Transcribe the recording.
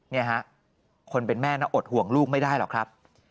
นี่ฮะคนเป็นแม่น่ะอดห่วงลูกไม่ได้หรอกครับ